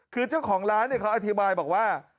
คือเจ้าของร้านเขาอธิบายบอกว่า